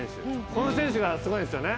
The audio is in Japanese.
この選手がすごいんですよね？